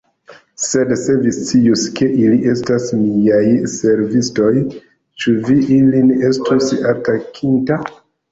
Sed se vi scius, ke ili estas miaj servistoj, ĉu vi ilin estus atakinta?